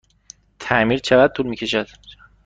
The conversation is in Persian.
تعمیر چقدر طول می کشد؟